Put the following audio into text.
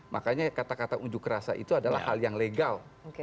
makanya kata kata unjuk rasa itu adalah hal yang legal